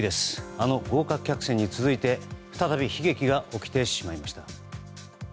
あの豪華客船に続いて再び悲劇が起きてしまいました。